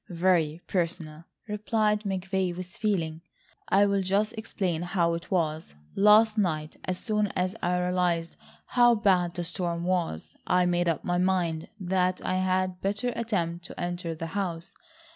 "Very personal," replied McVay with feeling. "I'll just explain how it was. Last night, as soon as I realised how bad the storm was, I made up my mind that I had better attempt to enter the house.